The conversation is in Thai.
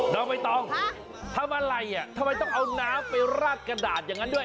น้องใบตองทำอะไรทำไมต้องเอาน้ำไปราดกระดาษอย่างนั้นด้วย